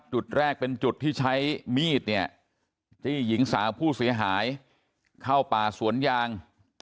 จุดแรกเป็นจุดที่ใช้มีดเนี่ยจี้หญิงสาวผู้เสียหายเข้าป่าสวนยาง